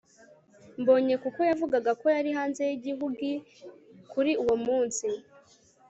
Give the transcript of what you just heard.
mbonye kuko yavugaga ko yari hanze yigihugi kuri uwo munsi